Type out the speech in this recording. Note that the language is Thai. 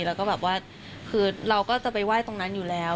แล้วก็แบบว่าคือเราก็จะไปไหว้ตรงนั้นอยู่แล้ว